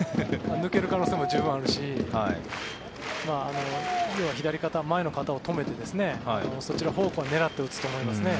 抜ける可能性も十分あるし左肩、前の肩を止めてそちら方向に向けて打つと思います。